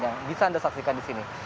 yang bisa anda saksikan di sini